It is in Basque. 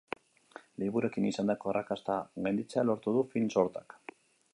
Liburuekin izandako arrakasta gainditzea lortu du film-sortak.